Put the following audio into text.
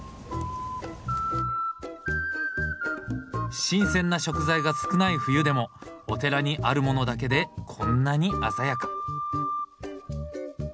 新鮮な食材が少ない冬でもお寺にあるものだけでこんなに鮮やか。